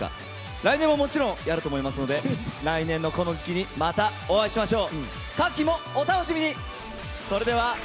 来年ももちろんやると思いますので来年のこの時期にまたお会いしましょう。